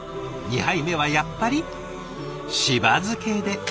２杯目はやっぱりしば漬けで。